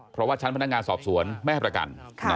เพราะว่าชั้นพนักงานสอบสวนไม่ให้ประกัน